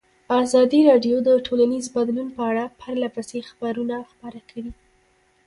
ازادي راډیو د ټولنیز بدلون په اړه پرله پسې خبرونه خپاره کړي.